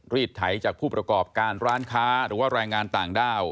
รีดไถจากผู้ประกอบการร้านค้าดังรายงานต่างดาว